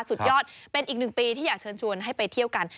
สุดยอดเป็นอีกหนึ่งปีที่อยากเชิญชวนให้ไปเที่ยวกัน